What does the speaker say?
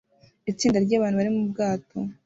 Itsinda ryabantu bari mubwato